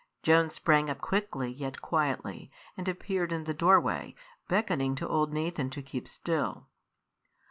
Joan sprang up quickly yet quietly, and appeared in the doorway, beckoning to old Nathan to keep still.